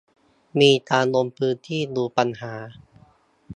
มีการลงพื้นที่ดูปัญหา